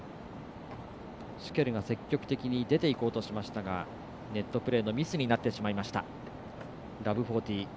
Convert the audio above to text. シュケルが積極的に出ていこうとしましたがネットプレーのミスになりました。